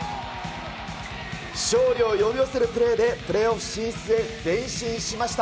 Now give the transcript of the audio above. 勝利を呼び寄せるプレーで、プレーオフ進出へ前進しました。